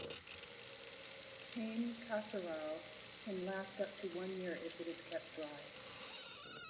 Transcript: "Pane carasau" can last up to one year if it is kept dry.